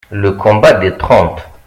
le Combat des Trente.